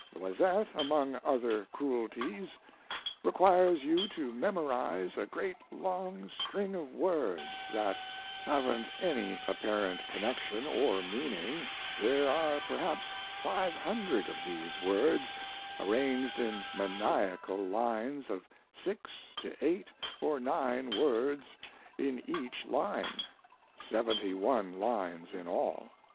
Loisette, among other cruelties, requires you to memorize a great long string of words that, haven't any apparent connection or meaning there are perhaps 500 of these words, arranged in maniacal lines of 6 to 8 or 9 words in each line 71 lines in all.